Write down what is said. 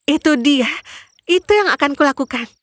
itu dia itu yang akan kulakukan